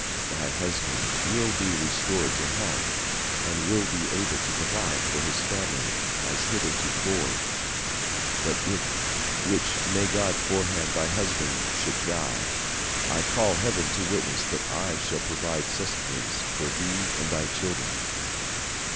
Thy husband will be restored to health, and will be able to provide for his family as heretofore. But if—which may God forefend—thy husband should die, I call Heaven to witness that I shall provide sustenance for thee and thy children."